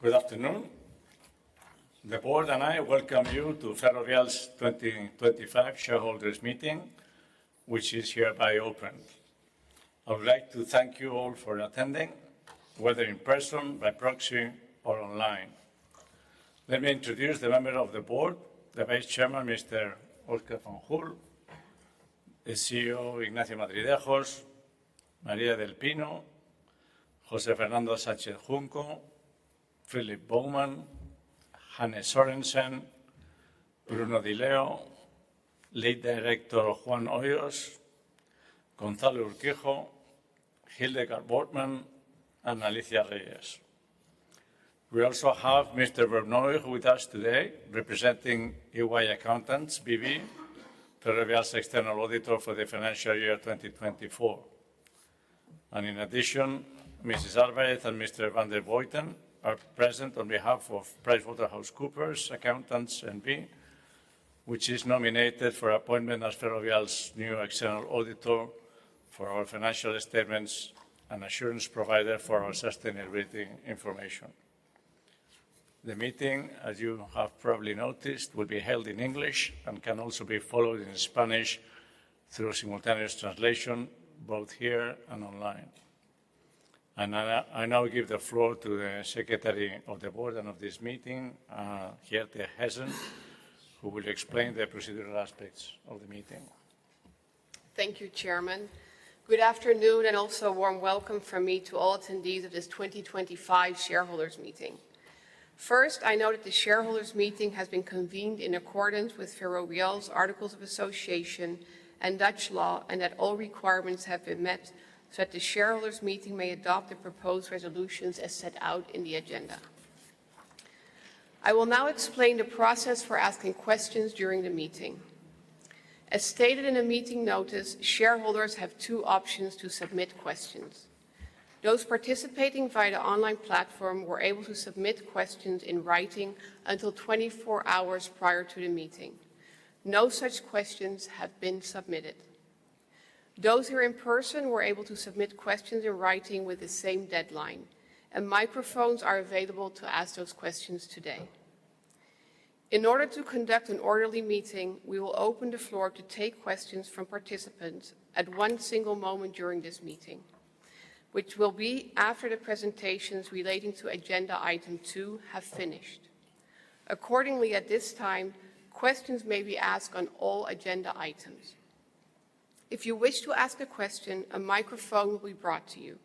Good afternoon. The board and I welcome you to Ferrovial's 2025 Shareholders' Meeting, which is hereby opened. I would like to thank you all for attending, whether in person, by proxy, or online. Let me introduce the members of the board: the Vice Chairman, Mr. Óscar Fanjul; the CEO, Ignacio Madridejos; María del Pino; José Fernando Sánchez Junco; Philip Bowman; Hanne Sørensen; Bruno Di Leo; Lead Director Juan Hoyos; Gonzalo Urquijo; Hildegard Wortmann; and Alicia Reyes. We also have Mr. Jeroen Vernooij with us today, representing EY Accountants B.V., Ferrovial's external auditor for the financial year 2024. In addition, Ms. Álvarez and Ms. Van der Vleuten is present on behalf of PricewaterhouseCoopers Accountants N.V., which is nominated for appointment as Ferrovial's new external auditor for our financial statements and assurance provider for our sustainability information. The meeting, as you have probably noticed, will be held in English and can also be followed in Spanish through simultaneous translation, both here and online. I now give the floor to the Secretary of the board and of this meeting, Geerte Hesen, who will explain the procedural aspects of the meeting. Thank you, Chairman. Good afternoon and also a warm welcome from me to all attendees of this 2025 Shareholders' Meeting. First, I know that the shareholders' meeting has been convened in accordance with Ferrovial's Articles of Association and Dutch law and that all requirements have been met so that the shareholders' meeting may adopt the proposed resolutions as set out in the agenda. I will now explain the process for asking questions during the meeting. As stated in the meeting notice, shareholders have two options to submit questions. Those participating via the online platform were able to submit questions in writing until 24 hours prior to the meeting. No such questions have been submitted. Those who are in person were able to submit questions in writing with the same deadline, and microphones are available to ask those questions today. In order to conduct an orderly meeting, we will open the floor to take questions from participants at one single moment during this meeting, which will be after the presentations relating to Agenda Item 2 have finished. Accordingly, at this time, questions may be asked on all agenda items. If you wish to ask a question, a microphone will be brought to you.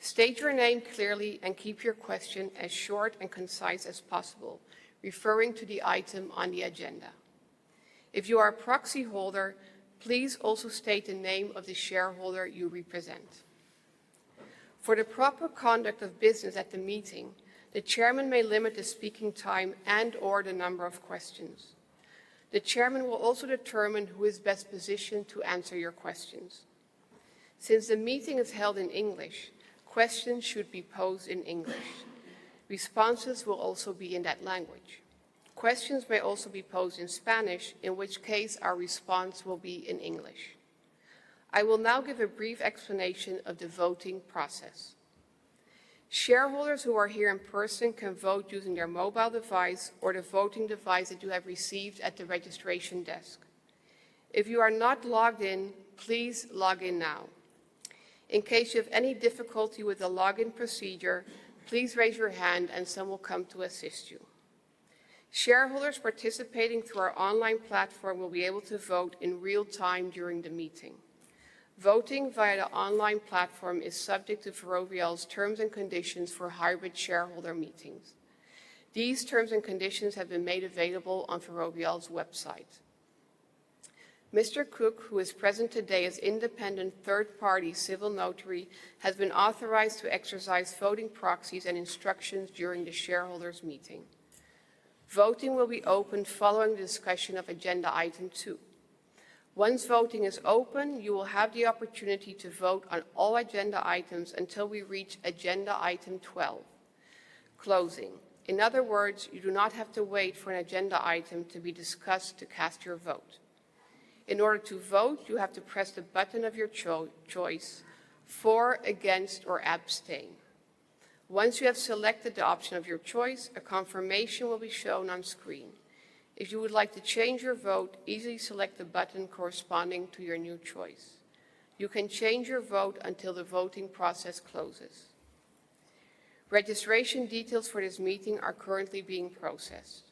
State your name clearly and keep your question as short and concise as possible, referring to the item on the agenda. If you are a proxy holder, please also state the name of the shareholder you represent. For the proper conduct of business at the meeting, the Chairman may limit the speaking time and/or the number of questions. The Chairman will also determine who is best positioned to answer your questions. Since the meeting is held in English, questions should be posed in English. Responses will also be in that language. Questions may also be posed in Spanish, in which case our response will be in English. I will now give a brief explanation of the voting process. Shareholders who are here in person can vote using their mobile device or the voting device that you have received at the registration desk. If you are not logged in, please log in now. In case you have any difficulty with the login procedure, please raise your hand and someone will come to assist you. Shareholders participating through our online platform will be able to vote in real time during the meeting. Voting via the online platform is subject to Ferrovial's terms and conditions for hybrid shareholder meetings. These terms and conditions have been made available on Ferrovial's website. Mr. Kuck, who is present today as independent third-party civil notary, has been authorized to exercise voting proxies and instructions during the shareholders' meeting. Voting will be opened following the discussion of Agenda Item two. Once voting is open, you will have the opportunity to vote on all agenda items until we reach Agenda Item 12. Closing. In other words, you do not have to wait for an agenda item to be discussed to cast your vote. In order to vote, you have to press the button of your choice: for, against, or abstain. Once you have selected the option of your choice, a confirmation will be shown on screen. If you would like to change your vote, easily select the button corresponding to your new choice. You can change your vote until the voting process closes. Registration details for this meeting are currently being processed.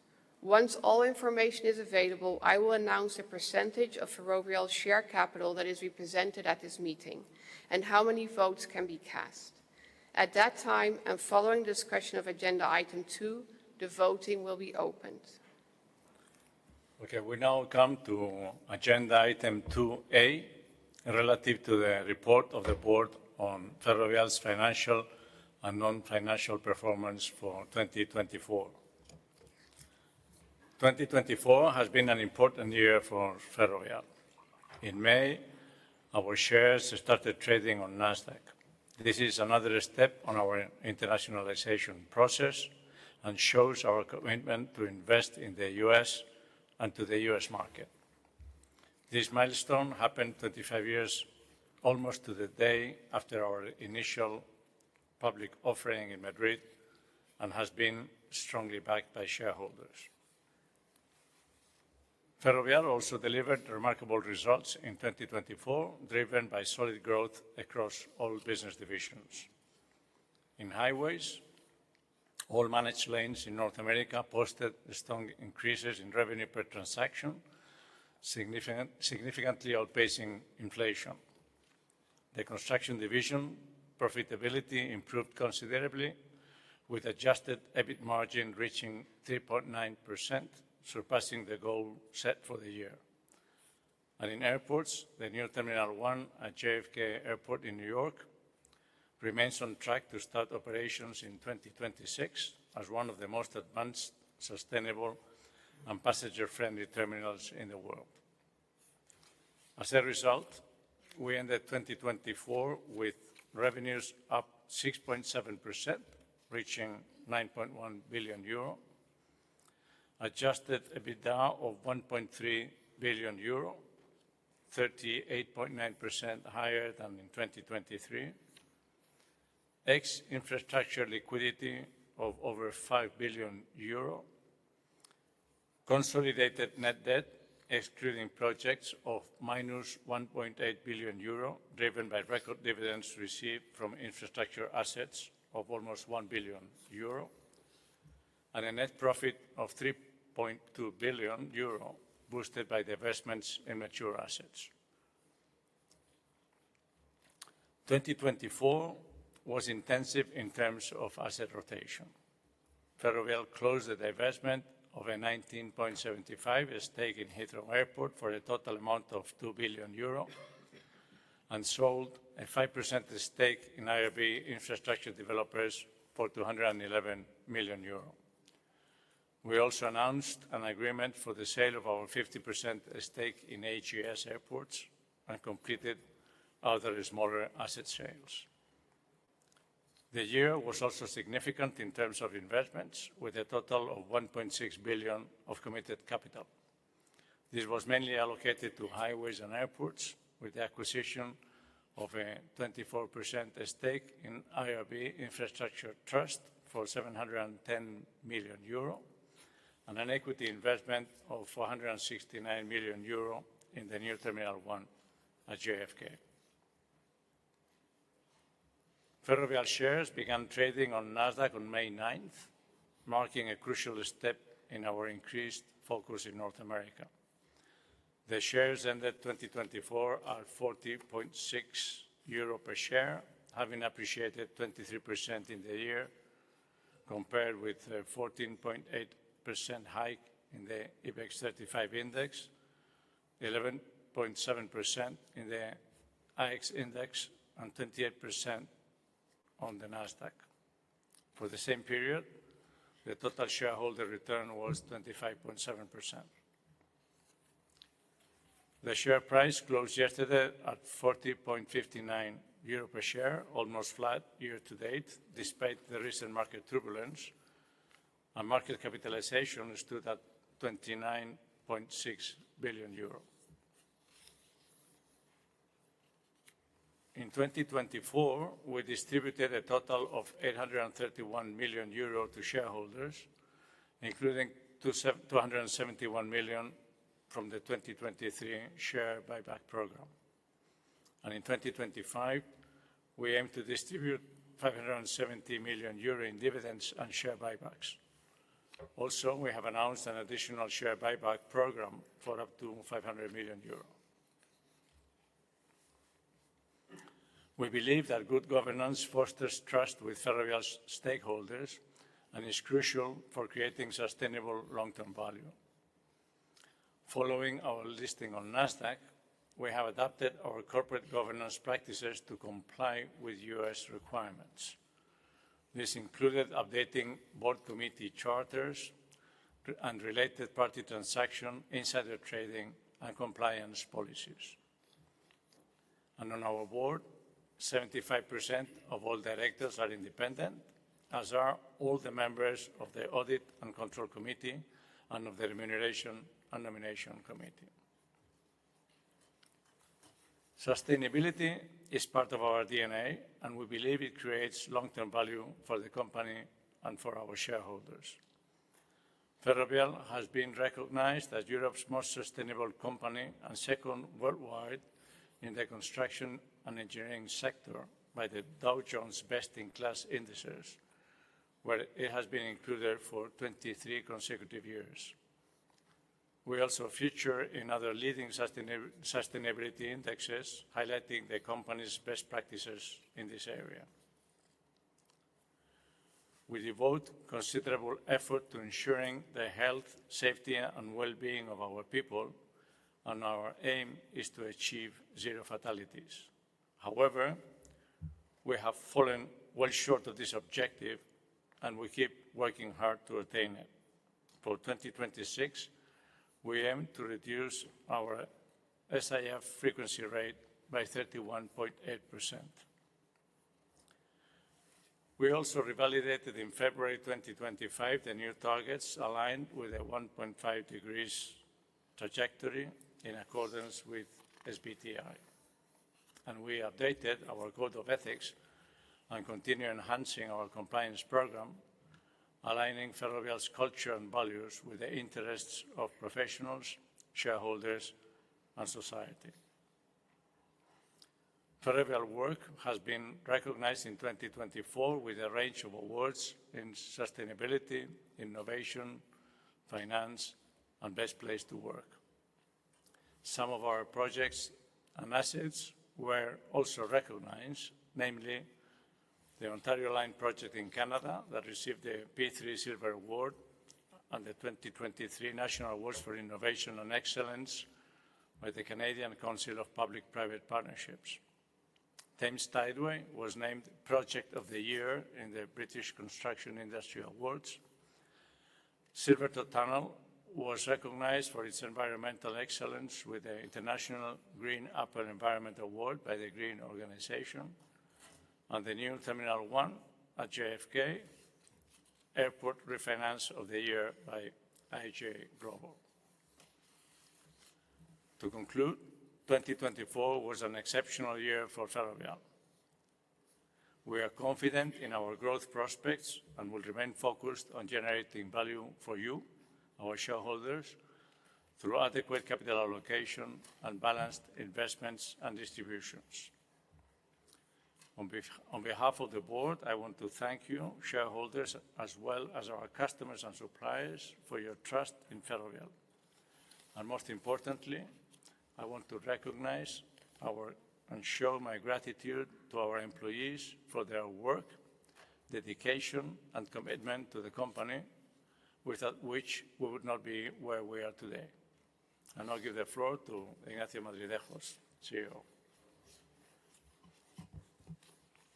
Once all information is available, I will announce the percentage of Ferrovial's share capital that is represented at this meeting and how many votes can be cast. At that time and following the discussion of Agenda Item 2, the voting will be opened. Okay, we now come to Agenda Item 2A relative to the report of the board on Ferrovial's financial and non-financial performance for 2024. 2024 has been an important year for Ferrovial. In May, our shares started trading on Nasdaq. This is another step on our internationalization process and shows our commitment to invest in the U.S. and to the U.S. market. This milestone happened 25 years almost to the day after our initial public offering in Madrid and has been strongly backed by shareholders. Ferrovial also delivered remarkable results in 2024, driven by solid growth across all business divisions. In highways, all managed lanes in North America posted strong increases in revenue per transaction, significantly outpacing inflation. The construction division profitability improved considerably, with adjusted EBIT margin reaching 3.9%, surpassing the goal set for the year. In airports, the New Terminal One at JFK Airport in New York remains on track to start operations in 2026 as one of the most advanced, sustainable, and passenger-friendly terminals in the world. As a result, we ended 2024 with revenues up 6.7%, reaching 9.1 billion euro, adjusted EBITDA of 1.3 billion euro, 38.9% higher than in 2023, ex-Infrastructure liquidity of over 5 billion euro, consolidated net debt excluding projects of -1.8 billion euro, driven by record dividends received from infrastructure assets of almost 1 billion euro, and a net profit of 3.2 billion euro, boosted by divestments in mature assets. 2024 was intensive in terms of asset rotation. Ferrovial closed a divestment of a 19.75% stake in Heathrow Airport for a total amount of 2 billion euro and sold a 5% stake in IRB Infrastructure Developers for 211 million euro. We also announced an agreement for the sale of our 50% stake in AGS Airports and completed other smaller asset sales. The year was also significant in terms of investments, with a total of 1.6 billion of committed capital. This was mainly allocated to highways and airports, with the acquisition of a 24% stake in IRB Infrastructure Trust for 710 million euro and an equity investment of 469 million euro in the New Terminal One at JFK. Ferrovial shares began trading on Nasdaq on May 9th, marking a crucial step in our increased focus in North America. The shares ended 2024 at 40.6 euro per share, having appreciated 23% in the year, compared with a 14.8% hike in the IBEX 35 index, 11.7% in the AEX index, and 28% on Nasdaq. For the same period, the total shareholder return was 25.7%. The share price closed yesterday at 40.59 euro per share, almost flat year-to-date, despite the recent market turbulence, and market capitalization stood at 29.6 billion euros. In 2024, we distributed a total of 831 million euro to shareholders, including 271 million from the 2023 share buyback program. In 2025, we aim to distribute 570 million euro in dividends and share buybacks. Also, we have announced an additional share buyback program for up to 500 million euros. We believe that good governance fosters trust with Ferrovial's stakeholders and is crucial for creating sustainable long-term value. Following our listing on Nasdaq, we have adopted our corporate governance practices to comply with U.S. requirements. This included updating board committee charters and related party transaction insider trading and compliance policies. On our Board, 75% of all directors are independent, as are all the members of the Audit and Control Committee and of the Remuneration and Nomination Committee. Sustainability is part of our DNA, and we believe it creates long-term value for the company and for our shareholders. Ferrovial has been recognized as Europe's most sustainable company and second worldwide in the construction and engineering sector by the Dow Jones Best-in-Class indices, where it has been included for 23 consecutive years. We also feature in other leading sustainability indexes highlighting the company's best practices in this area. We devote considerable effort to ensuring the health, safety, and well-being of our people, and our aim is to achieve zero fatalities. However, we have fallen well short of this objective, and we keep working hard to attain it. For 2026, we aim to reduce our SIF frequency rate by 31.8%. We also revalidated in February 2025 the new targets aligned with a 1.5 degrees trajectory in accordance with SBTi. We updated our code of ethics and continue enhancing our compliance program, aligning Ferrovial's culture and values with the interests of professionals, shareholders, and society. Ferrovial's work has been recognized in 2024 with a range of awards in sustainability, innovation, finance, and best place to work. Some of our projects and assets were also recognized, namely the Ontario Line project in Canada that received the P3 Silver Award and the 2023 National Awards for Innovation and Excellence by the Canadian Council of Public-Private Partnerships. Thames Tideway was named Project of the Year in the British Construction Industry Awards. Silvertown Tunnel was recognized for its environmental excellence with the International Green Apple Environment Award by The Green Organization, and the New Terminal One at JFK Airport was named Refinancing of the Year by IJGlobal. To conclude, 2024 was an exceptional year for Ferrovial. We are confident in our growth prospects and will remain focused on generating value for you, our shareholders, through adequate capital allocation and balanced investments and distributions. On behalf of the board, I want to thank you, shareholders, as well as our customers and suppliers, for your trust in Ferrovial. Most importantly, I want to recognize and show my gratitude to our employees for their work, dedication, and commitment to the company, without which we would not be where we are today. I'll give the floor to Ignacio Madridejos, CEO.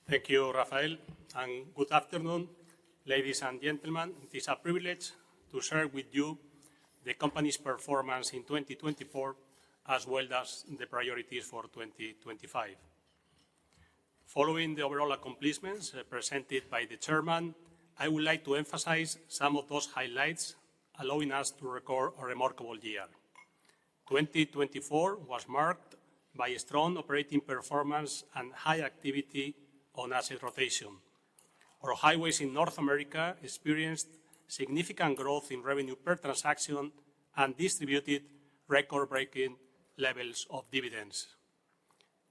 Thank you, Rafael, and good afternoon, ladies and gentlemen. It is a privilege to share with you the company's performance in 2024, as well as the priorities for 2025. Following the overall accomplishments presented by the Chairman, I would like to emphasize some of those highlights allowing us to record a remarkable year. 2024 was marked by strong operating performance and high activity on asset rotation. Our highways in North America experienced significant growth in revenue per transaction and distributed record-breaking levels of dividends.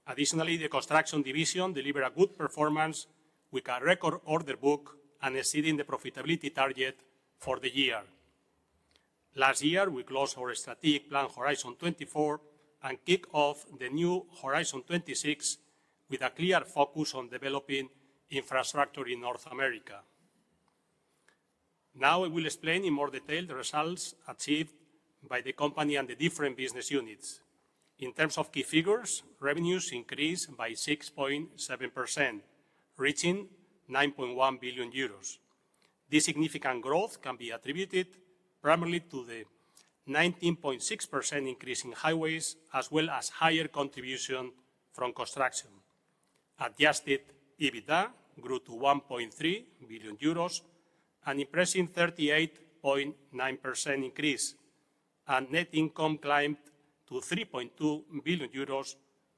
Additionally, the construction division delivered a good performance with a record order book and exceeding the profitability target for the year. Last year, we closed our strategic plan Horizon 24 and kicked off the new Horizon 26 with a clear focus on developing infrastructure in North America. Now, I will explain in more detail the results achieved by the company and the different business units. In terms of key figures, revenues increased by 6.7%, reaching 9.1 billion euros. This significant growth can be attributed primarily to the 19.6% increase in highways, as well as higher contribution from construction. Adjusted EBITDA grew to 1.3 billion euros, an impressive 38.9% increase, and net income climbed to 3.2 billion euros,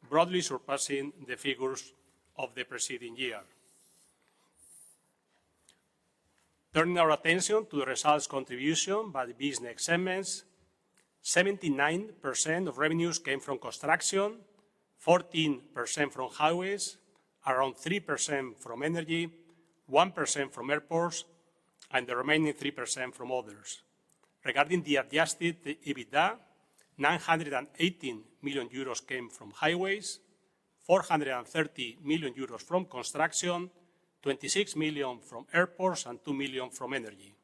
broadly surpassing the figures of the preceding year. Turning our attention to the results contribution by the business segments, 79% of revenues came from construction, 14% from highways, around 3% from energy, 1% from airports, and the remaining 3% from others. Regarding the adjusted EBITDA, 918 million euros came from highways, 430 million euros from construction, 26 million from airports, and 2 million from energy.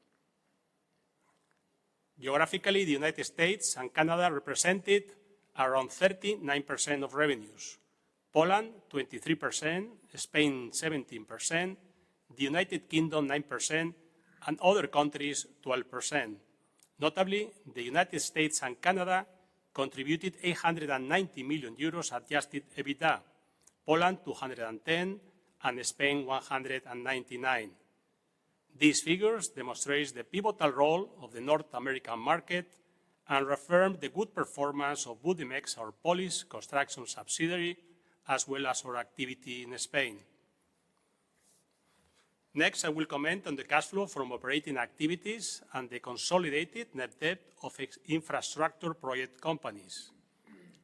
Geographically, the U.S. and Canada represented around 39% of revenues, Poland 23%, Spain 17%, the U.K. 9%, and other countries 12%. Notably, the United States and Canada contributed 890 million euros adjusted EBITDA, Poland 210 million, and Spain 199 million. These figures demonstrate the pivotal role of the North American market and affirm the good performance of Budimex, our Polish construction subsidiary, as well as our activity in Spain. Next, I will comment on the cash flow from operating activities and the consolidated net debt of infrastructure project companies.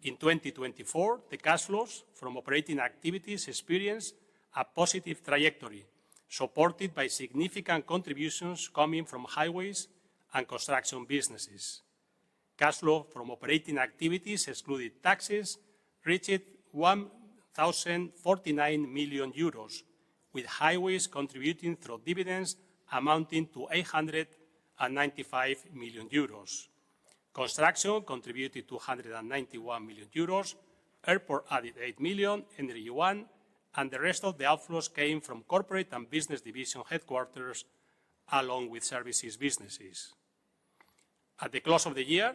In 2024, the cash flows from operating activities experienced a positive trajectory, supported by significant contributions coming from highways and construction businesses. Cash flow from operating activities, excluding taxes, reached 1.049 billion euros, with highways contributing through dividends amounting to 895 million euros. Construction contributed 291 million euros, airport added 8 million, energy one, and the rest of the outflows came from corporate and business division headquarters, along with services businesses. At the close of the year,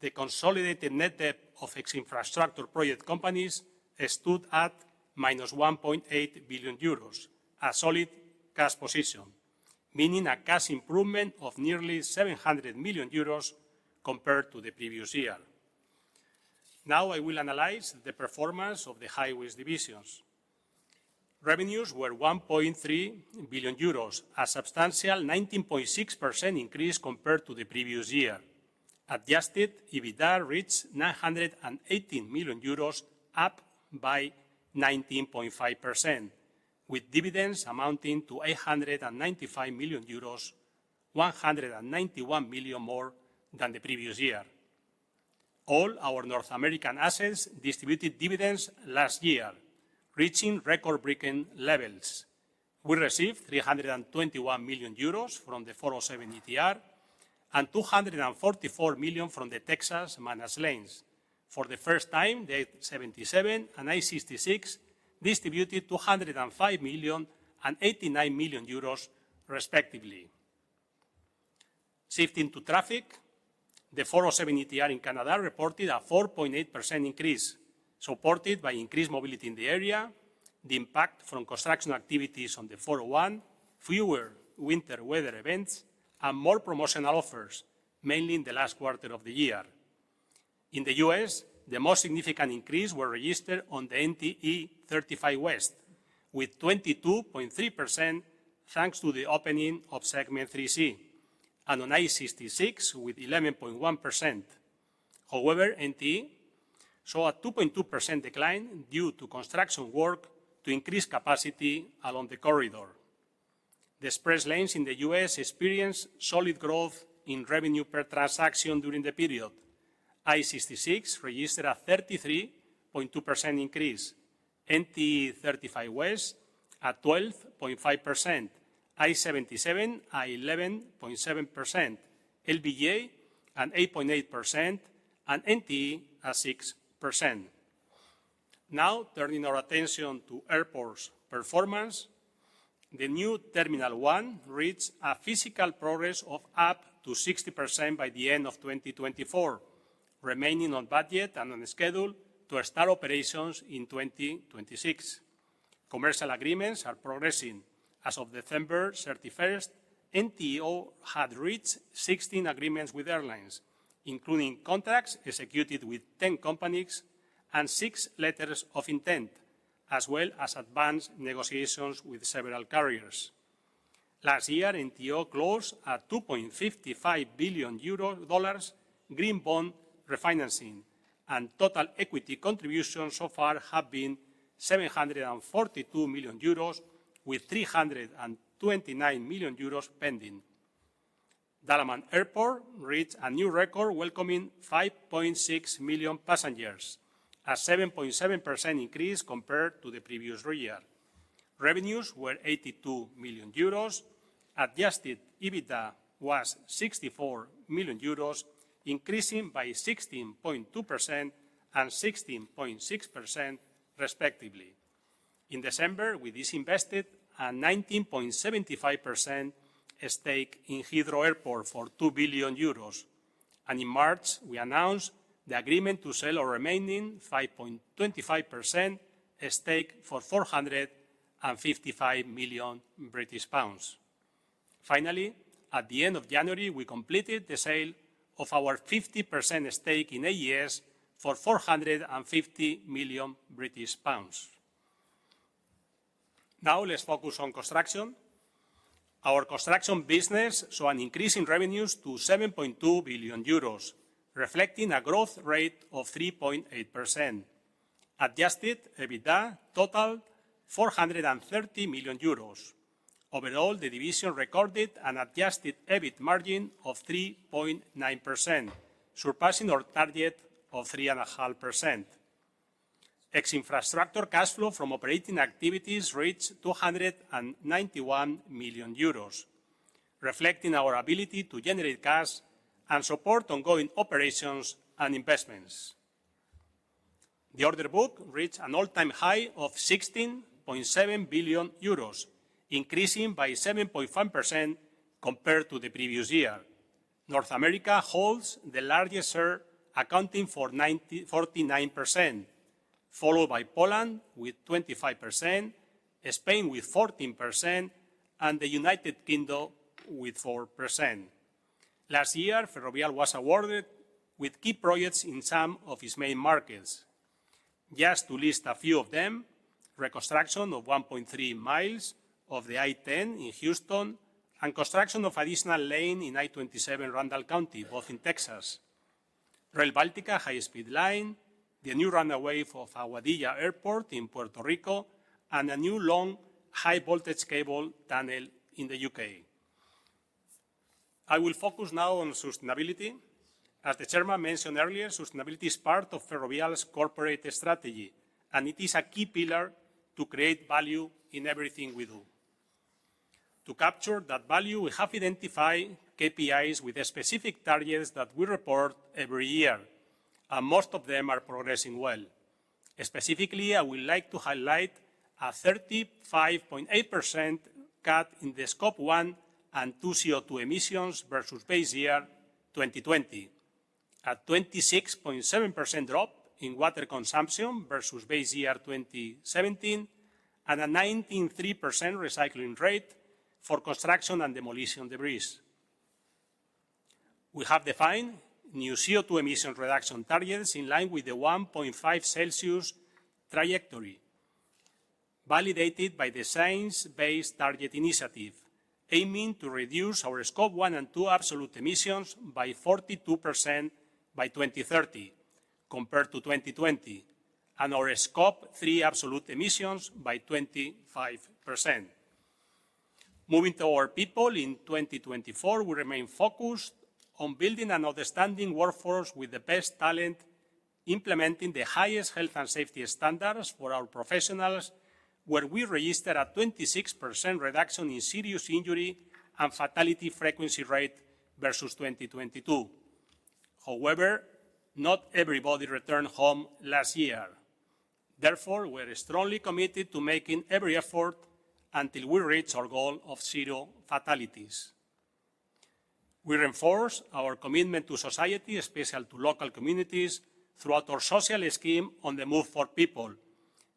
the consolidated net debt of ex-Infrastructure project companies stood at 1.8 billion euros, a solid cash position, meaning a cash improvement of nearly 700 million euros compared to the previous year. Now, I will analyze the performance of the highways divisions. Revenues were 1.3 billion euros, a substantial 19.6% increase compared to the previous year. Adjusted EBITDA reached 918 million euros, up by 19.5%, with dividends amounting to 895 million euros, 191 million more than the previous year. All our North American assets distributed dividends last year, reaching record-breaking levels. We received 321 million euros from the 407 ETR and 244 million from the Texas managed lanes. For the first time, the I-77 and I-66 distributed 205 million and 89 million euros, respectively. Shifting to traffic, the 407 ETR in Canada reported a 4.8% increase, supported by increased mobility in the area, the impact from construction activities on the 401, fewer winter weather events, and more promotional offers, mainly in the last quarter of the year. In the U.S., the most significant increase was registered on the NTE 35W, with 22.3% thanks to the opening of Segment 3C, and on I-66 with 11.1%. However, NTE saw a 2.2% decline due to construction work to increase capacity along the corridor. The express lanes in the U.S. experienced solid growth in revenue per transaction during the period. I-66 registered a 33.2% increase, NTE 35W a 12.5%, I-77 a 11.7%, LBJ an 8.8%, and NTE a 6%. Now, turning our attention to airports performance, the New Terminal One reached a physical progress of up to 60% by the end of 2024, remaining on budget and on schedule to start operations in 2026. Commercial agreements are progressing. As of December 31st, NTO had reached 16 agreements with airlines, including contracts executed with 10 companies and six letters of intent, as well as advanced negotiations with several carriers. Last year, NTO closed a EUR 2.55 billion green bond refinancing, and total equity contributions so far have been 742 million euros, with 329 million euros pending. Dalaman Airport reached a new record welcoming 5.6 million passengers, a 7.7% increase compared to the previous year. Revenues were 82 million euros. Adjusted EBITDA was 64 million euros, increasing by 16.2% and 16.6%, respectively. In December, we disinvested a 19.75% stake in Heathrow Airport for 2 billion euros, and in March, we announced the agreement to sell our remaining 5.25% stake for GBP 455 million. Finally, at the end of January, we completed the sale of our 50% stake in AGS for GBP 450 million. Now, let's focus on construction. Our construction business saw an increase in revenues to 7.2 billion euros, reflecting a growth rate of 3.8%. Adjusted EBITDA totaled 430 million euros. Overall, the division recorded an adjusted EBIT margin of 3.9%, surpassing our target of 3.5%. Ex-Infrastructure cash flow from operating activities reached 291 million euros, reflecting our ability to generate cash and support ongoing operations and investments. The order book reached an all-time high of 16.7 billion euros, increasing by 7.5% compared to the previous year. North America holds the largest share, accounting for 49%, followed by Poland with 25%, Spain with 14%, and the U.K. with 4%. Last year, Ferrovial was awarded with key projects in some of its main markets. Just to list a few of them: reconstruction of 1.3 mi of the I-10 in Houston and construction of an additional lane in I-27 Randall County, both in Texas. Rail Baltica high-speed line, the new runway for Aguadilla Airport in Puerto Rico, and a new long high-voltage cable tunnel in the U.K. I will focus now on sustainability. As the Chairman mentioned earlier, sustainability is part of Ferrovial's corporate strategy, and it is a key pillar to create value in everything we do. To capture that value, we have identified KPIs with specific targets that we report every year, and most of them are progressing well. Specifically, I would like to highlight a 35.8% cut in the Scope 1 and 2 CO2 emissions versus base year 2020, a 26.7% drop in water consumption versus base year 2017, and a 19.3% recycling rate for construction and demolition debris. We have defined new CO2 emission reduction targets in line with the 1.5 Celsius trajectory, validated by the Science Based Targets Initiative, aiming to reduce our Scope 1 and 2 absolute emissions by 42% by 2030 compared to 2020, and our Scope 3 absolute emissions by 25%. Moving to our people, in 2024, we remain focused on building an outstanding workforce with the best talent, implementing the highest health and safety standards for our professionals, where we registered a 26% reduction in serious injury and fatality frequency rate versus 2022. However, not everybody returned home last year. Therefore, we are strongly committed to making every effort until we reach our goal of zero fatalities. We reinforce our commitment to society, especially to local communities, throughout our social scheme On the Move for People.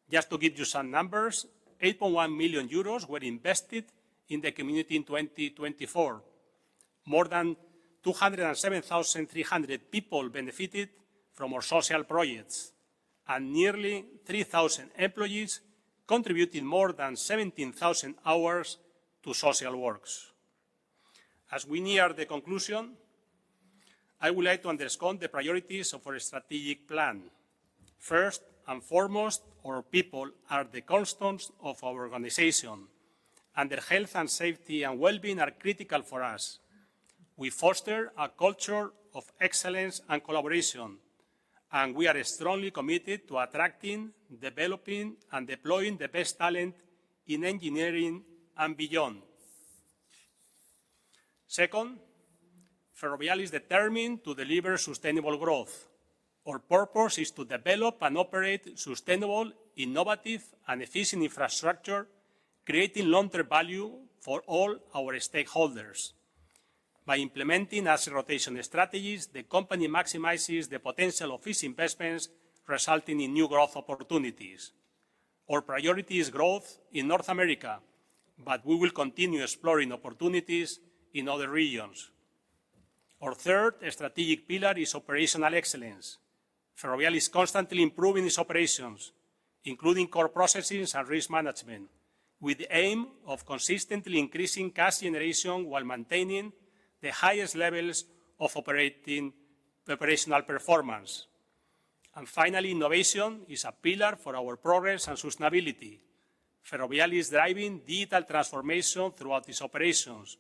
Just to give you some numbers, 8.1 million euros were invested in the community in 2024. More than 207,300 people benefited from our social projects, and nearly 3,000 employees contributed more than 17,000 hours to social works. As we near the conclusion, I would like to underscore the priorities of our strategic plan. First and foremost, our people are the cornerstones of our organization, and their health and safety and well-being are critical for us. We foster a culture of excellence and collaboration, and we are strongly committed to attracting, developing, and deploying the best talent in engineering and beyond. Second, Ferrovial is determined to deliver sustainable growth. Our purpose is to develop and operate sustainable, innovative, and efficient infrastructure, creating long-term value for all our stakeholders. By implementing asset rotation strategies, the company maximizes the potential of its investments, resulting in new growth opportunities. Our priority is growth in North America, but we will continue exploring opportunities in other regions. Our third strategic pillar is operational excellence. Ferrovial is constantly improving its operations, including core processes and risk management, with the aim of consistently increasing cash generation while maintaining the highest levels of operational performance. Innovation is a pillar for our progress and sustainability. Ferrovial is driving digital transformation throughout its operations,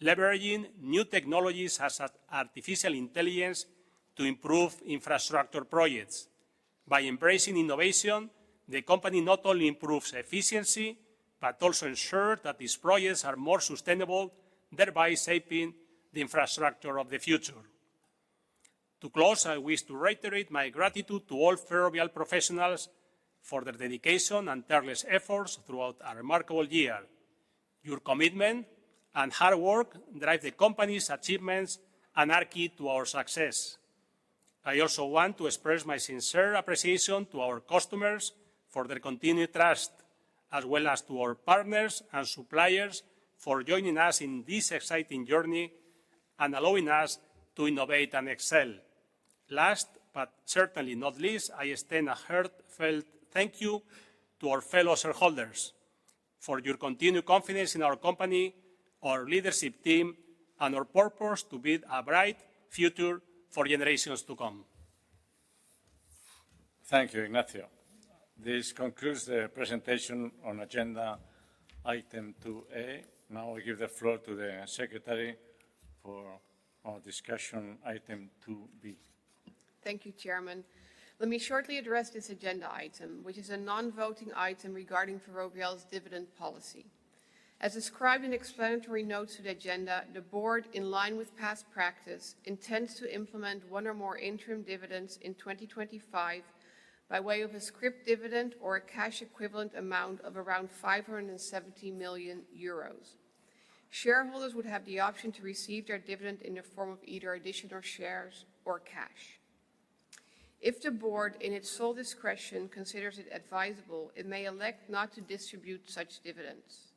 leveraging new technologies such as artificial intelligence to improve infrastructure projects. By embracing innovation, the company not only improves efficiency, but also ensures that its projects are more sustainable, thereby shaping the infrastructure of the future. To close, I wish to reiterate my gratitude to all Ferrovial professionals for their dedication and tireless efforts throughout a remarkable year. Your commitment and hard work drive the company's achievements and are key to our success. I also want to express my sincere appreciation to our customers for their continued trust, as well as to our partners and suppliers for joining us in this exciting journey and allowing us to innovate and excel. Last but certainly not least, I extend a heartfelt thank you to our fellow shareholders for your continued confidence in our company, our leadership team, and our purpose to build a bright future for generations to come. Thank you, Ignacio. This concludes the presentation on Agenda Item 2A. Now I give the floor to the Secretary for our discussion, Item 2B. Thank you, Chairman. Let me shortly address this agenda item, which is a non-voting item regarding Ferrovial's dividend policy. As described in explanatory notes to the agenda, the board, in line with past practice, intends to implement one or more interim dividends in 2025 by way of a scrip dividend or a cash equivalent amount of around 570 million euros. Shareholders would have the option to receive their dividend in the form of either additional shares or cash. If the Board, in its sole discretion, considers it advisable, it may elect not to distribute such dividends,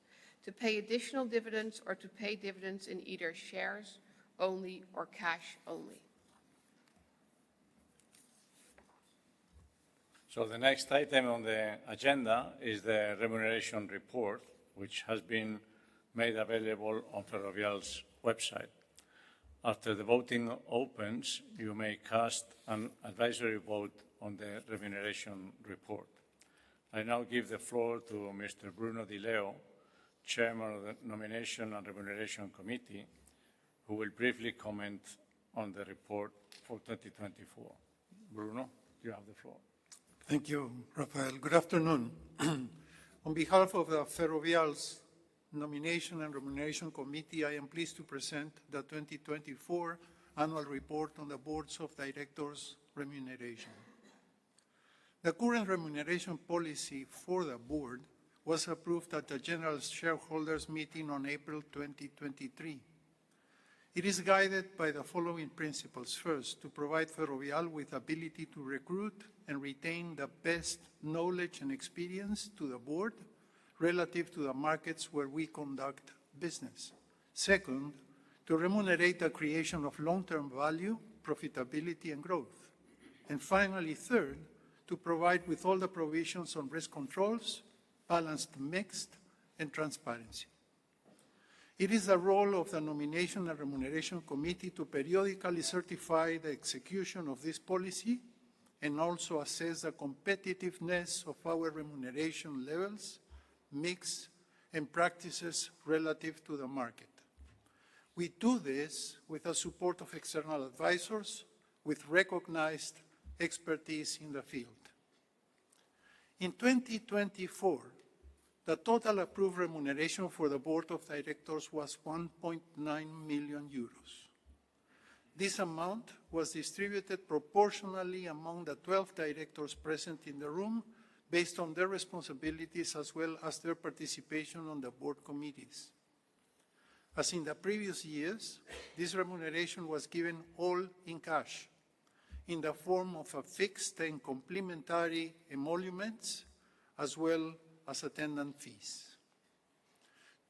to pay additional dividends, or to pay dividends in either shares only or cash only. The next item on the agenda is the remuneration report, which has been made available on Ferrovial's website. After the voting opens, you may cast an advisory vote on the remuneration report. I now give the floor to Mr. Bruno Di Leo, Chairman of the Nomination and Remuneration Committee, who will briefly comment on the report for 2024. Bruno, you have the floor. Thank you, Rafael. Good afternoon. On behalf of Ferrovial's Nomination and Remuneration Committee, I am pleased to present the 2024 Annual Report on the Board's Directors' Remuneration. The current remuneration policy for the board was approved at the general shareholders' meeting on April 2023. It is guided by the following principles: first, to provide Ferrovial with the ability to recruit and retain the best knowledge and experience to the board relative to the markets where we conduct business. Second, to remunerate the creation of long-term value, profitability, and growth. Finally, third, to provide with all the provisions on risk controls, balanced mix, and transparency. It is the role of the Nomination and Remuneration Committee to periodically certify the execution of this policy and also assess the competitiveness of our remuneration levels, mix, and practices relative to the market. We do this with the support of external advisors with recognized expertise in the field. In 2024, the total approved remuneration for the Board of Directors was 1.9 million euros. This amount was distributed proportionally among the 12 directors present in the room based on their responsibilities as well as their participation on the board committees. As in the previous years, this remuneration was given all in cash in the form of fixed and complementary emoluments, as well as attendance fees.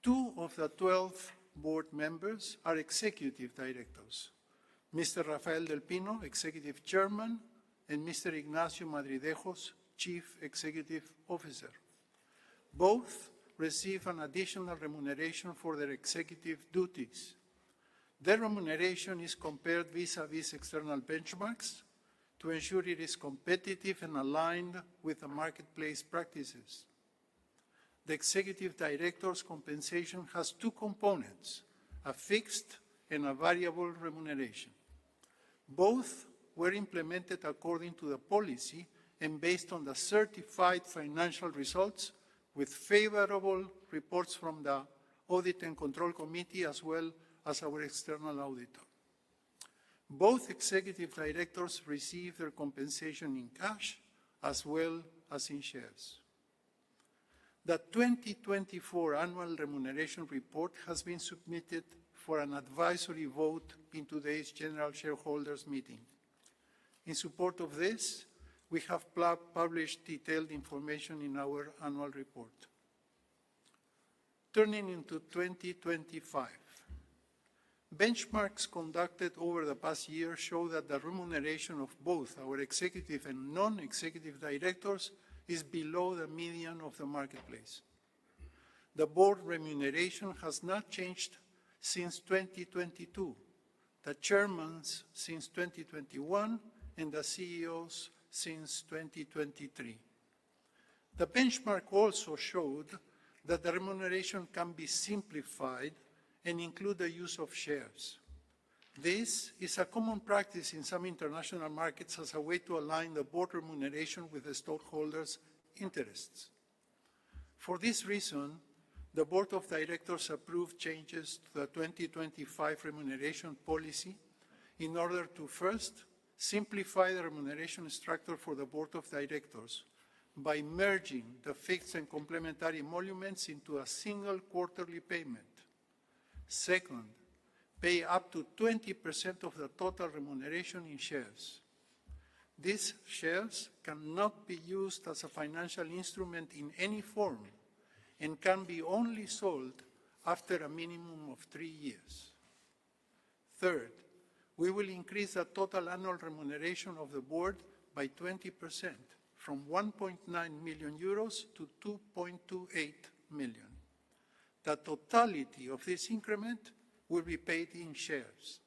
Two of the 12 board members are executive directors: Mr. Rafael del Pino, Executive Chairman, and Mr. Ignacio Madridejos, Chief Executive Officer. Both receive an additional remuneration for their executive duties. Their remuneration is compared vis-à-vis external benchmarks to ensure it is competitive and aligned with the marketplace practices. The executive directors' compensation has two components: a fixed and a variable remuneration. Both were implemented according to the policy and based on the certified financial results with favorable reports from the Audit and Control Committee, as well as our external auditor. Both executive directors receive their compensation in cash as well as in shares. The 2024 Annual Remuneration Report has been submitted for an advisory vote in today's general shareholders' meeting. In support of this, we have published detailed information in our annual report. Turning into 2025, benchmarks conducted over the past year show that the remuneration of both our executive and non-executive directors is below the median of the marketplace. The board remuneration has not changed since 2022, the Chairman's since 2021, and the CEO's since 2023. The benchmark also showed that the remuneration can be simplified and include the use of shares. This is a common practice in some international markets as a way to align the board remuneration with the stockholders' interests. For this reason, the Board of Directors approved changes to the 2025 remuneration policy in order to first simplify the remuneration structure for the Board of Directors by merging the fixed and complementary emoluments into a single quarterly payment. Second, pay up to 20% of the total remuneration in shares. These shares cannot be used as a financial instrument in any form and can be only sold after a minimum of three years. Third, we will increase the total annual remuneration of the board by 20% from 1.9 million euros to 2.28 million. The totality of this increment will be paid in shares.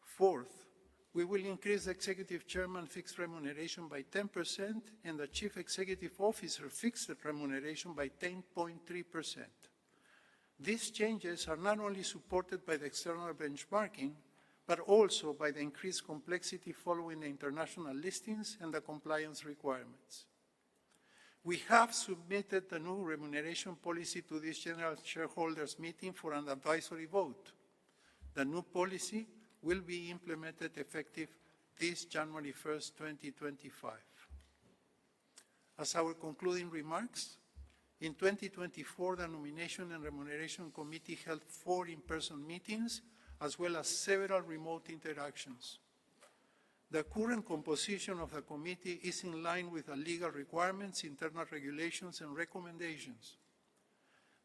Fourth, we will increase the Executive Chairman fixed remuneration by 10% and the Chief Executive Officer fixed remuneration by 10.3%. These changes are not only supported by the external benchmarking, but also by the increased complexity following the international listings and the compliance requirements. We have submitted the new remuneration policy to this general shareholders' meeting for an advisory vote. The new policy will be implemented effective this January 1st, 2025. As our concluding remarks, in 2024, the Nomination and Remuneration Committee held four in-person meetings, as well as several remote interactions. The current composition of the committee is in line with the legal requirements, internal regulations, and recommendations.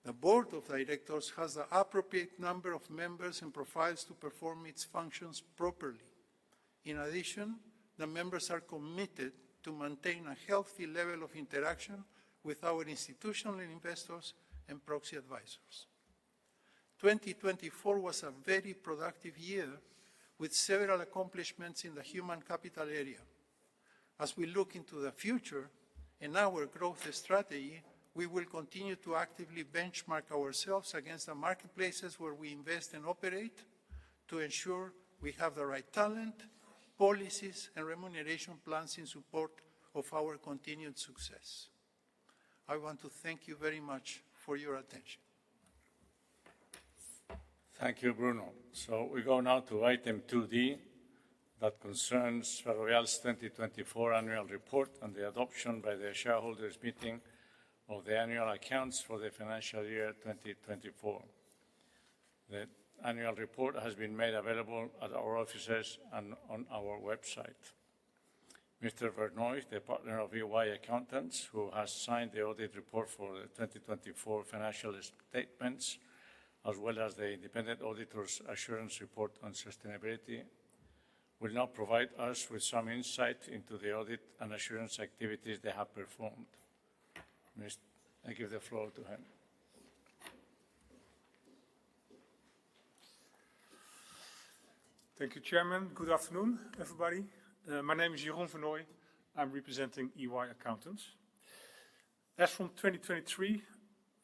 The Board of Directors has the appropriate number of members and profiles to perform its functions properly. In addition, the members are committed to maintain a healthy level of interaction with our institutional investors and proxy advisors. 2024 was a very productive year with several accomplishments in the human capital area. As we look into the future and our growth strategy, we will continue to actively benchmark ourselves against the marketplaces where we invest and operate to ensure we have the right talent, policies, and remuneration plans in support of our continued success. I want to thank you very much for your attention. Thank you, Bruno. We go now to Item 2D that concerns Ferrovial's 2024 Annual Report and the adoption by the shareholders' meeting of the annual accounts for the financial year 2024. The annual report has been made available at our offices and on our website. Mr. Vernooij, the partner of EY Accountants, who has signed the audit report for the 2024 financial statements, as well as the independent auditor's assurance report on sustainability, will now provide us with some insight into the audit and assurance activities they have performed. I give the floor to him. Thank you, Chairman. Good afternoon, everybody. My name is Jeroen Vernooij, I'm representing EY Accountants. As from 2023,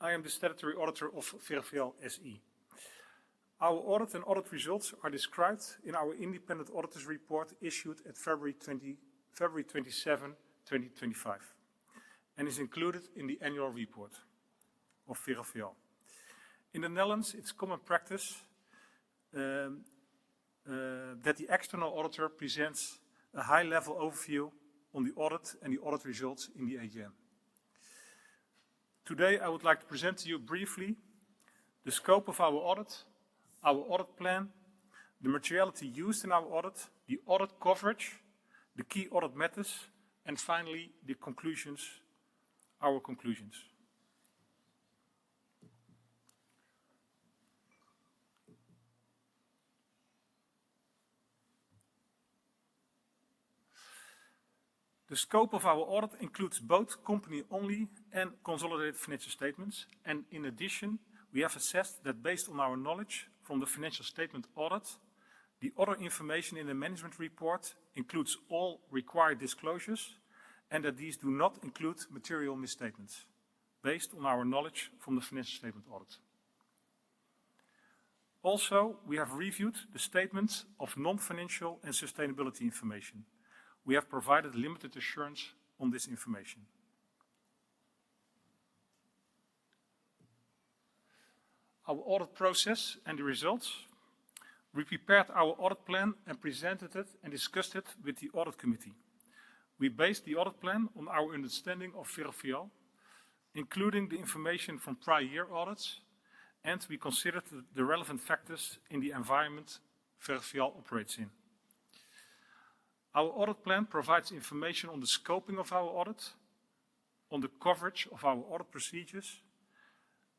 I am the statutory auditor of Ferrovial SE. Our audit and audit results are described in our independent auditor's report issued at February 27th, 2025, and is included in the Annual Report of Ferrovial. In the Netherlands, it's common practice that the external auditor presents a high-level overview on the audit and the audit results in the AGM. Today, I would like to present to you briefly the scope of our audit, our audit plan, the materiality used in our audit, the audit coverage, the key audit matters, and finally, our conclusions. The scope of our audit includes both company-only and consolidated financial statements. In addition, we have assessed that based on our knowledge from the financial statement audit, the other information in the management report includes all required disclosures and that these do not include material misstatements based on our knowledge from the financial statement audit. Also, we have reviewed the statements of non-financial and sustainability information. We have provided limited assurance on this information. Our audit process and the results. We prepared our audit plan and presented it and discussed it with the audit committee. We based the audit plan on our understanding of Ferrovial, including the information from prior year audits, and we considered the relevant factors in the environment Ferrovial operates in. Our audit plan provides information on the scoping of our audit, on the coverage of our audit procedures,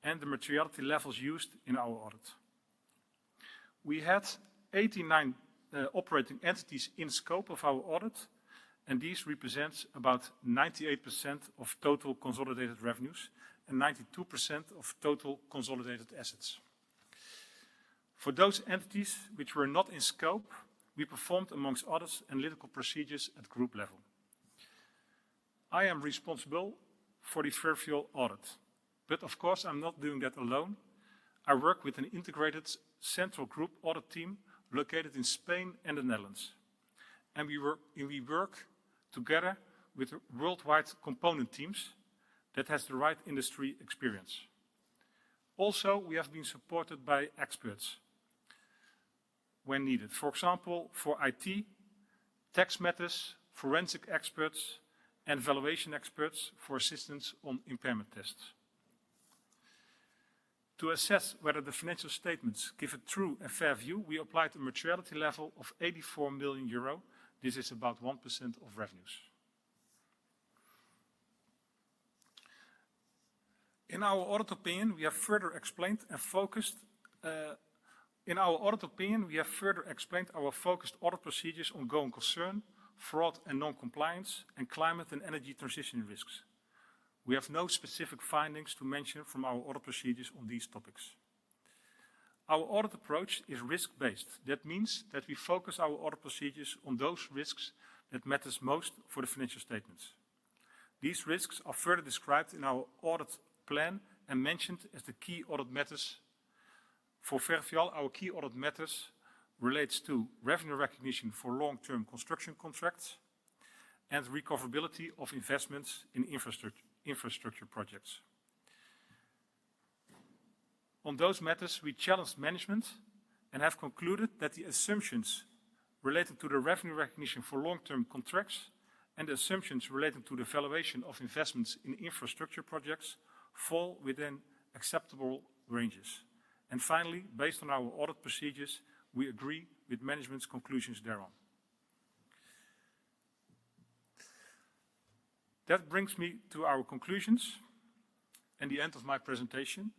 and the materiality levels used in our audit. We had 89 operating entities in scope of our audit, and these represent about 98% of total consolidated revenues and 92% of total consolidated assets. For those entities which were not in scope, we performed amongst others analytical procedures at group level. I am responsible for the Ferrovial audit, but of course, I'm not doing that alone. I work with an integrated central group audit team located in Spain and the Netherlands, and we work together with worldwide component teams that have the right industry experience. Also, we have been supported by experts when needed, for example, for IT, tax matters, forensic experts, and valuation experts for assistance on impairment tests. To assess whether the financial statements give a true and fair view, we applied a materiality level of 84 million euro. This is about 1% of revenues. In our audit opinion, we have further explained and focused in our audit opinion, we have further explained our focused audit procedures on going concern, fraud, and non-compliance, and climate and energy transition risks. We have no specific findings to mention from our audit procedures on these topics. Our audit approach is risk-based. That means that we focus our audit procedures on those risks that matter most for the financial statements. These risks are further described in our audit plan and mentioned as the key audit matters for Ferrovial. Our key audit matters relate to revenue recognition for long-term construction contracts and recoverability of investments in infrastructure projects. On those matters, we challenged management and have concluded that the assumptions related to the revenue recognition for long-term contracts and the assumptions related to the valuation of investments in infrastructure projects fall within acceptable ranges. Finally, based on our audit procedures, we agree with management's conclusions thereon. That brings me to our conclusions and the end of my presentation.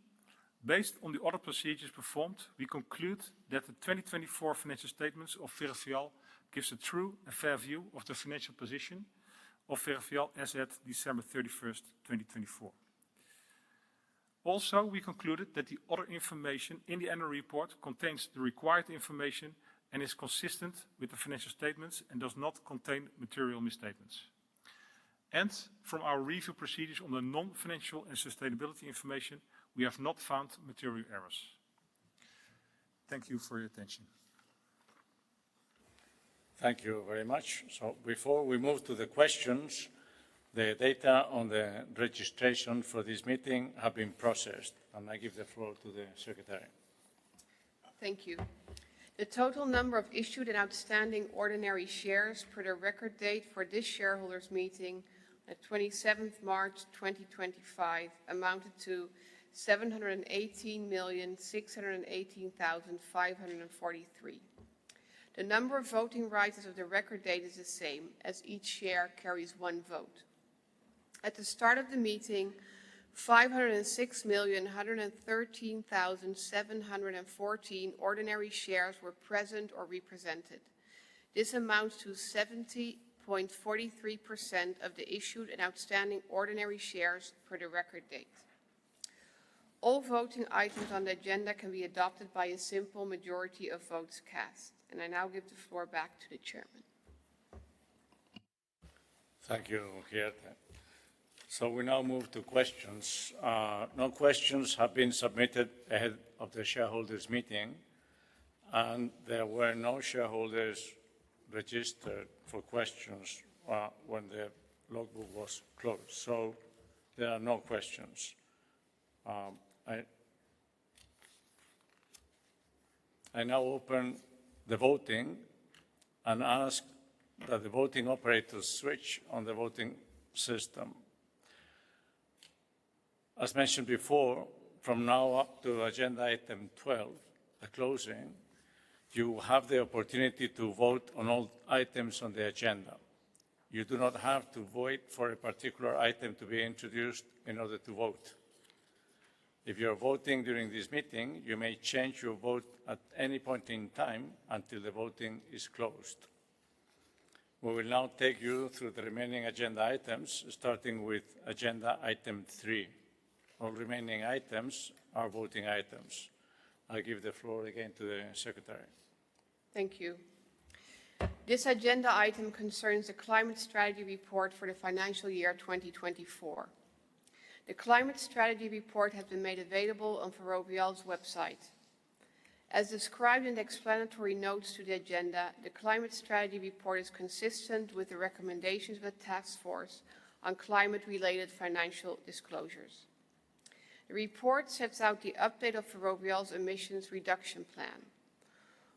Based on the audit procedures performed, we conclude that the 2024 financial statements of Ferrovial give a true and fair view of the financial position of Ferrovial as at December 31st, 2024. Also, we concluded that the other information in the annual report contains the required information and is consistent with the financial statements and does not contain material misstatements. From our review procedures on the non-financial and sustainability information, we have not found material errors. Thank you for your attention. Thank you very much. Before we move to the questions, the data on the registration for this meeting have been processed, and I give the floor to the Secretary. Thank you. The total number of issued and outstanding ordinary shares per the record date for this shareholders' meeting on 27th March 2025 amounted to 718,618,543. The number of voting rights as of the record date is the same, as each share carries one vote. At the start of the meeting, 506,113,714 ordinary shares were present or represented. This amounts to 70.43% of the issued and outstanding ordinary shares per the record date. All voting items on the agenda can be adopted by a simple majority of votes cast, and I now give the floor back to the Chairman. Thank you, Geerte. We now move to questions. No questions have been submitted ahead of the shareholders' meeting, and there were no shareholders registered for questions when the logbook was closed. There are no questions. I now open the voting and ask that the voting operators switch on the voting system. As mentioned before, from now up to Agenda Item 12, the closing, you have the opportunity to vote on all items on the agenda. You do not have to wait for a particular item to be introduced in order to vote. If you are voting during this meeting, you may change your vote at any point in time until the voting is closed. We will now take you through the remaining agenda items, starting with Agenda Item 3. All remaining items are voting items. I give the floor again to the Secretary. Thank you. This agenda item concerns the climate strategy report for the financial year 2024. The climate strategy report has been made available on Ferrovial's website. As described in the explanatory notes to the agenda, the climate strategy report is consistent with the recommendations of the Task Force on Climate-related Financial Disclosures. The report sets out the update of Ferrovial's emissions reduction plan.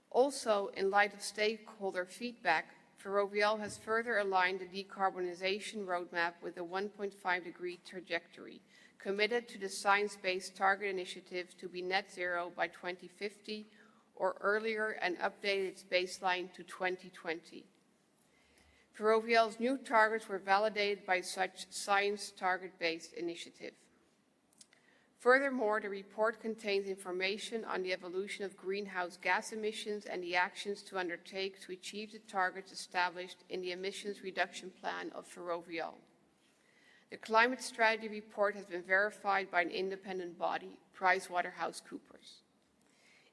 Also, in light of stakeholder feedback, Ferrovial has further aligned the decarbonization roadmap with the 1.5-degree trajectory, committed to the Science Based Targets Initiative to be net zero by 2050 or earlier and updated its baseline to 2020. Ferrovial's new targets were validated by such Science Based Targets Initiative. Furthermore, the report contains information on the evolution of greenhouse gas emissions and the actions to undertake to achieve the targets established in the emissions reduction plan of Ferrovial. The climate strategy report has been verified by an independent body, PricewaterhouseCoopers.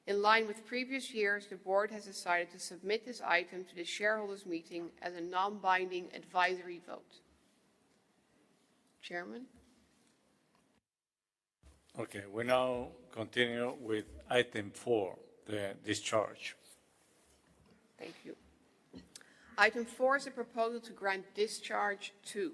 In line with previous years, the board has decided to submit this item to the shareholders' meeting as a non-binding advisory vote. Chairman. Okay, we now continue with item four, the discharge. Thank you. Item four is a proposal to grant discharge to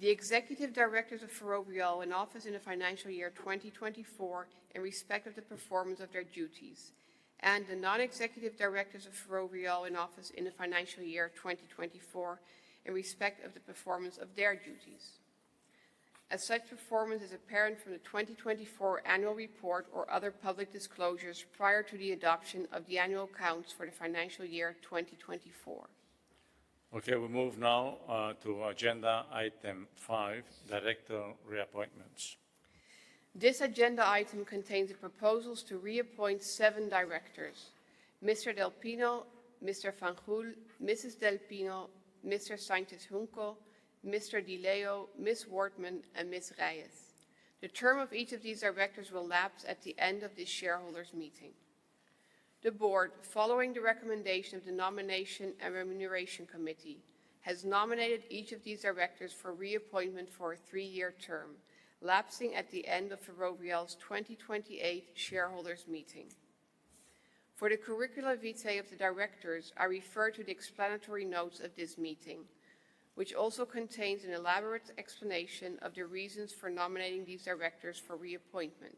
the executive directors of Ferrovial in office in the financial year 2024 in respect of the performance of their duties, and the non-executive directors of Ferrovial in office in the financial year 2024 in respect of the performance of their duties. As such performance is apparent from the 2024 annual report or other public disclosures prior to the adoption of the annual accounts for the financial year 2024. Okay, we move now to Agenda Item 5, director reappointments. This agenda item contains the proposals to reappoint seven directors: Mr. del Pino, Mr. Fanjul, Mrs. del Pino, Mr. Sánchez Junco, Mr. Di Leo, Ms. Wortmann, and Ms. Reyes. The term of each of these directors will lapse at the end of the shareholders' meeting. The Board, following the recommendation of the Nomination and Remuneration Committee, has nominated each of these directors for reappointment for a three-year term, lapsing at the end of Ferrovial's 2028 shareholders' meeting. For the curricular vitae of the directors, I refer to the explanatory notes of this meeting, which also contains an elaborate explanation of the reasons for nominating these directors for reappointment.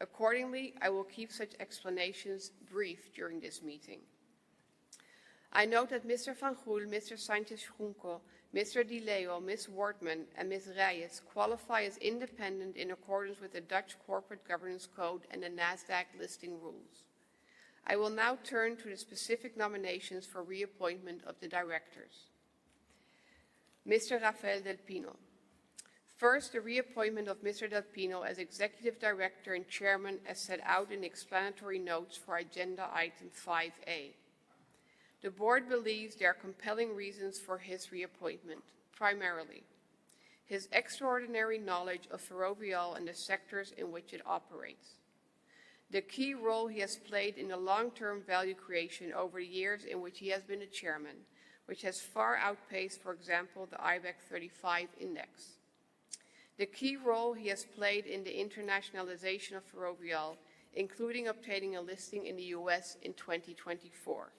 Accordingly, I will keep such explanations brief during this meeting. I note that Mr. Fanjul, Mr. Sánchez Junco, Mr. Di Leo, Ms. Wortmann, and Ms. Reyes qualify as independent in accordance with the Dutch corporate governance code and the Nasdaq listing rules. I will now turn to the specific nominations for reappointment of the directors. Mr. Rafael del Pino. First, the reappointment of Mr. del Pino as Executive Director and Chairman as set out in the explanatory notes for Agenda Item 5A. The board believes there are compelling reasons for his reappointment, primarily his extraordinary knowledge of Ferrovial and the sectors in which it operates. The key role he has played in the long-term value creation over the years in which he has been a chairman, which has far outpaced, for example, the IBEX 35 index. The key role he has played in the internationalization of Ferrovial, including obtaining a listing in the U.S. in 2024,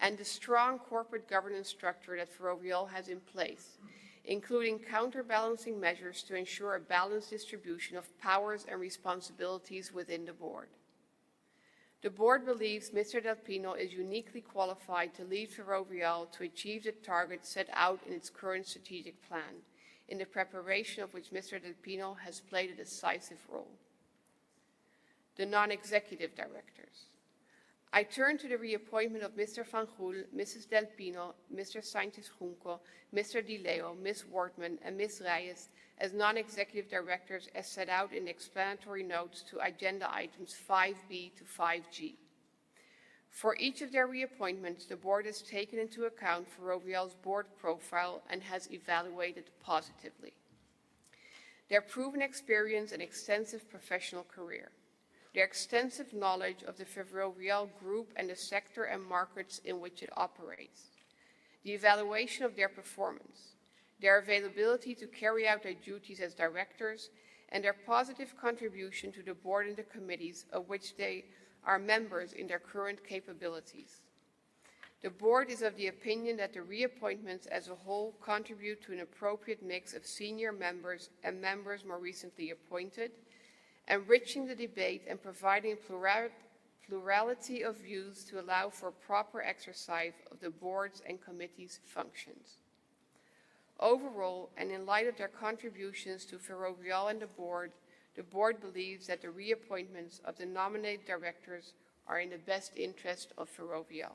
and the strong corporate governance structure that Ferrovial has in place, including counterbalancing measures to ensure a balanced distribution of powers and responsibilities within the board. The board believes Mr. del Pino is uniquely qualified to lead Ferrovial to achieve the targets set out in its current strategic plan, in the preparation of which Mr. del Pino has played a decisive role. The non-executive directors. I turn to the reappointment of Mr. Fanjul, Mrs. del Pino, Mr. Sánchez Junco, Mr. Di Leo, Ms. Wortmann, and Ms. Reyes as non-executive directors as set out in explanatory notes to agenda items 5B-5G. For each of their reappointments, the board has taken into account Ferrovial's Board profile and has evaluated positively. Their proven experience and extensive professional career, their extensive knowledge of the Ferrovial group and the sector and markets in which it operates, the evaluation of their performance, their availability to carry out their duties as directors, and their positive contribution to the board and the committees of which they are members in their current capabilities. The board is of the opinion that the reappointments as a whole contribute to an appropriate mix of senior members and members more recently appointed, enriching the debate and providing plurality of views to allow for proper exercise of the Board's and committees' functions. Overall, and in light of their contributions to Ferrovial and the Board, the Board believes that the reappointments of the nominated directors are in the best interest of Ferrovial.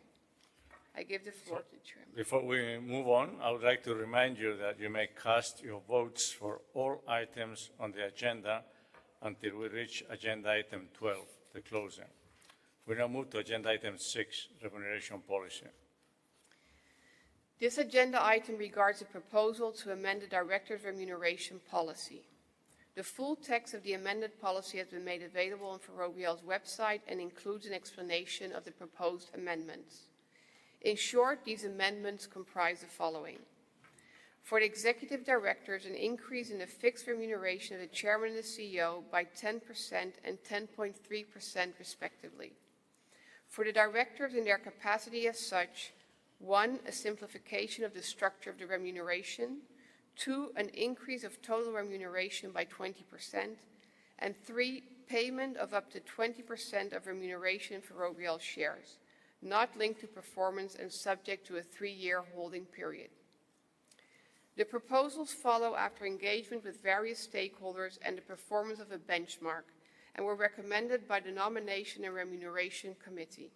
I give the floor to the Chairman. Before we move on, I would like to remind you that you may cast your votes for all items on the agenda until we reach Agenda Item 12, the closing. We now move to Agenda Item 6, remuneration policy. This agenda item regards a proposal to amend the directors' remuneration policy. The full text of the amended policy has been made available on Ferrovial's website and includes an explanation of the proposed amendments. In short, these amendments comprise the following: for the executive directors, an increase in the fixed remuneration of the Chairman and the CEO by 10% and 10.3%, respectively. For the directors in their capacity as such, one, a simplification of the structure of the remuneration; two, an increase of total remuneration by 20%; and three, payment of up to 20% of remuneration for Ferrovial shares, not linked to performance and subject to a three-year holding period. The proposals follow after engagement with various stakeholders and the performance of a benchmark and were recommended by the Nomination and Remuneration Committee.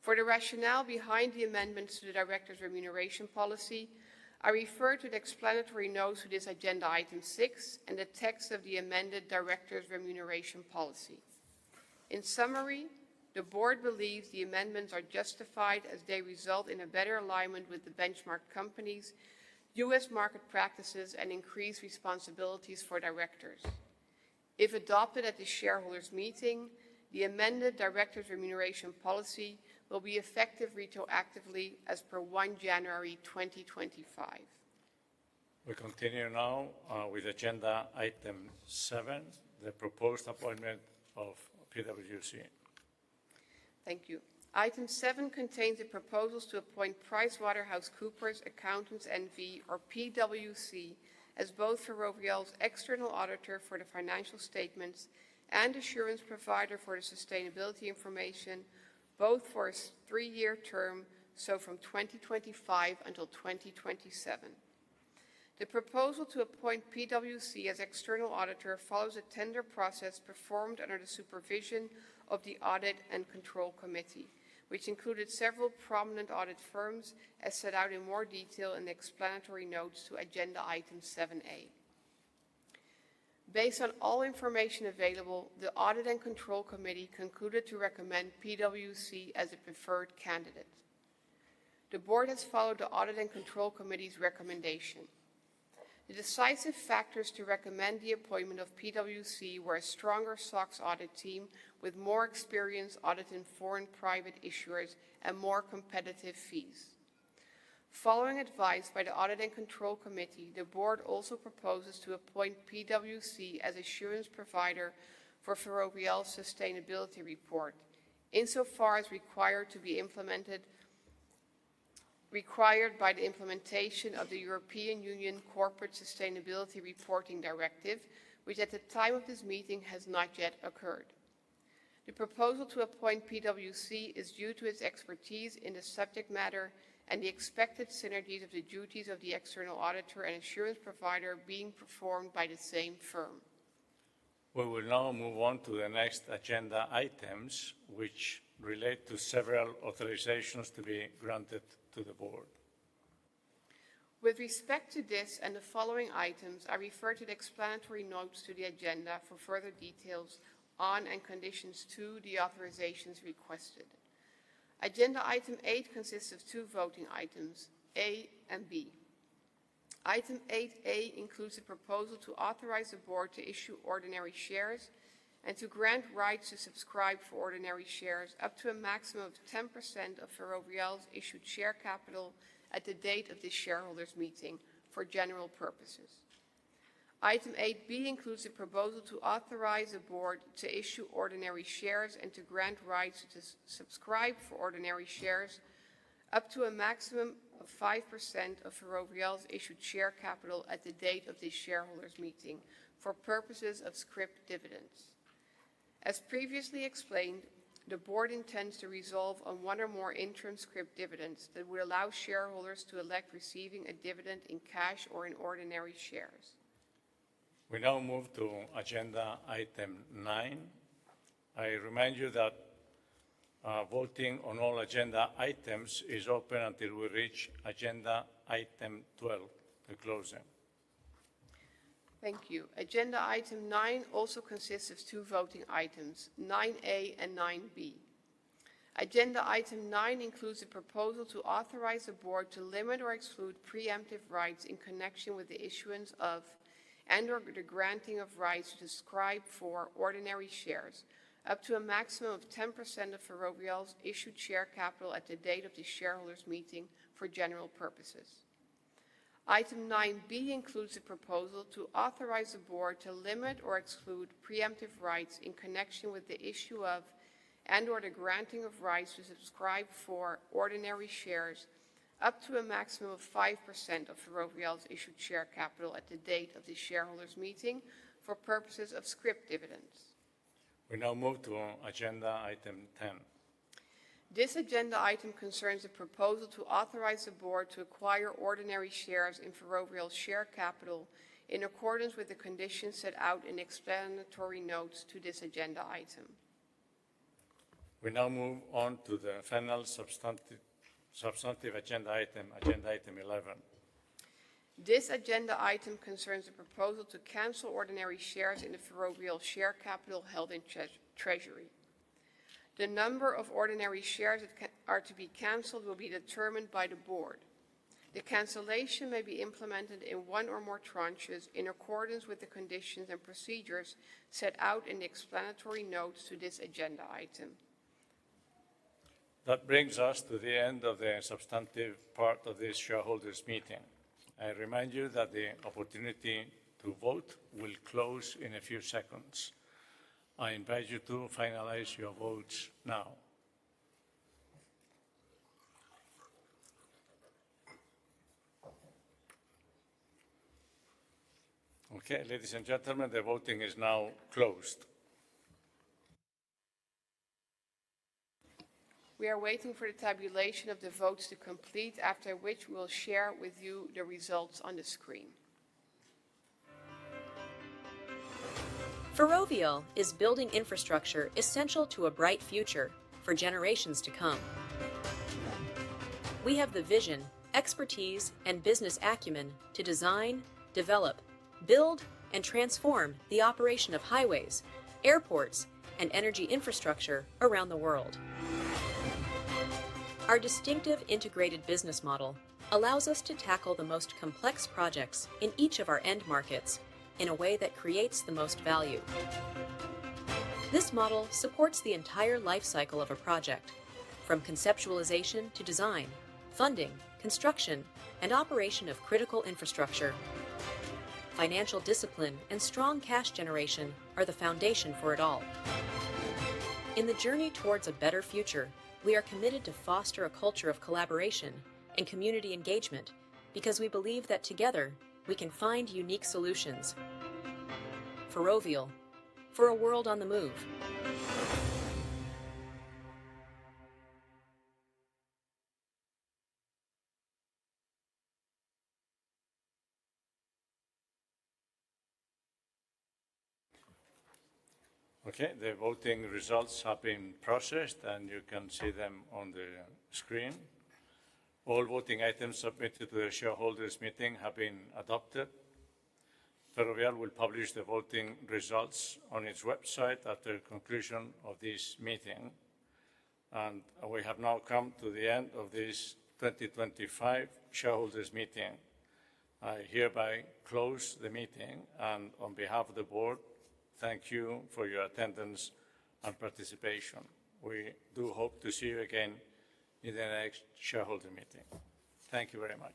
For the rationale behind the amendments to the directors' remuneration policy, I refer to the explanatory notes to this Agenda Item 6 and the text of the amended directors' remuneration policy. In summary, the board believes the amendments are justified as they result in a better alignment with the benchmark companies, U.S. market practices, and increased responsibilities for directors. If adopted at the shareholders' meeting, the amended directors' remuneration policy will be effective retroactively as per 1 January 2025. We continue now with Agenda Item 7, the proposed appointment of PwC. Thank you. Item 7 contains the proposals to appoint PricewaterhouseCoopers Accountants N.V. or PwC as both Ferrovial's external auditor for the financial statements and assurance provider for the sustainability information, both for a three-year term, from 2025 until 2027. The proposal to appoint PwC as external auditor follows a tender process performed under the supervision of the Audit and Control Committee, which included several prominent audit firms as set out in more detail in the explanatory notes to Agenda Item 7A. Based on all information available, the Audit and Control Committee concluded to recommend PwC as the preferred candidate. The board has followed the Audit and Control Committee's recommendation. The decisive factors to recommend the appointment of PwC were a stronger SOX audit team with more experience auditing foreign private issuers and more competitive fees. Following advice by the Audit and Control Committee, the board also proposes to appoint PwC as assurance provider for Ferrovial's sustainability report, insofar as required by the implementation of the European Union Corporate Sustainability Reporting Directive, which at the time of this meeting has not yet occurred. The proposal to appoint PwC is due to its expertise in the subject matter and the expected synergies of the duties of the external auditor and assurance provider being performed by the same firm. We will now move on to the next agenda items, which relate to several authorizations to be granted to the board. With respect to this and the following items, I refer to the explanatory notes to the agenda for further details on and conditions to the authorizations requested. Agenda Item 8 consists of two voting items, A and B. Item 8A includes a proposal to authorize the board to issue ordinary shares and to grant rights to subscribe for ordinary shares up to a maximum of 10% of Ferrovial's issued share capital at the date of this shareholders' meeting for general purposes. Item 8B includes a proposal to authorize the board to issue ordinary shares and to grant rights to subscribe for ordinary shares up to a maximum of 5% of Ferrovial's issued share capital at the date of this shareholders' meeting for purposes of scrip dividends. As previously explained, the board intends to resolve on one or more interim scrip dividends that would allow shareholders to elect receiving a dividend in cash or in ordinary shares. We now move to Agenda Item 9. I remind you that voting on all agenda items is open until we reach Agenda Item 12, the closing. Thank you. Agenda Item 9 also consists of two voting items, 9A and 9B. Agenda Item 9 includes a proposal to authorize the board to limit or exclude preemptive rights in connection with the issuance of and/or the granting of rights to subscribe for ordinary shares up to a maximum of 10% of Ferrovial's issued share capital at the date of the shareholders' meeting for general purposes. Item 9B includes a proposal to authorize the board to limit or exclude preemptive rights in connection with the issue of and/or the granting of rights to subscribe for ordinary shares up to a maximum of 5% of Ferrovial's issued share capital at the date of the shareholders' meeting for purposes of scrip dividends. We now move to Agenda Item 10. This agenda item concerns a proposal to authorize the board to acquire ordinary shares in Ferrovial's share capital in accordance with the conditions set out in explanatory notes to this agenda item. We now move on to the final substantive agenda item, Agenda Item 11. This agenda item concerns a proposal to cancel ordinary shares in the Ferrovial share capital held in treasury. The number of ordinary shares that are to be canceled will be determined by the board. The cancellation may be implemented in one or more tranches in accordance with the conditions and procedures set out in the explanatory notes to this agenda item. That brings us to the end of the substantive part of this shareholders' meeting. I remind you that the opportunity to vote will close in a few seconds. I invite you to finalize your votes now. Okay, ladies and gentlemen, the voting is now closed. We are waiting for the tabulation of the votes to complete, after which we will share with you the results on the screen. Ferrovial is building infrastructure essential to a bright future for generations to come. We have the vision, expertise, and business acumen to design, develop, build, and transform the operation of highways, airports, and energy infrastructure around the world. Our distinctive integrated business model allows us to tackle the most complex projects in each of our end markets in a way that creates the most value. This model supports the entire life cycle of a project, from conceptualization to design, funding, construction, and operation of critical infrastructure. Financial discipline and strong cash generation are the foundation for it all. In the journey towards a better future, we are committed to foster a culture of collaboration and community engagement because we believe that together we can find unique solutions. Ferrovial, for a world on the move. Okay, the voting results have been processed, and you can see them on the screen. All voting items submitted to the shareholders' meeting have been adopted. Ferrovial will publish the voting results on its website after the conclusion of this meeting. We have now come to the end of this 2025 Shareholders' Meeting. I hereby close the meeting, and on behalf of the Board, thank you for your attendance and participation. We do hope to see you again in the next shareholder meeting. Thank you very much.